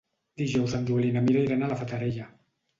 Dijous en Joel i na Mira iran a la Fatarella.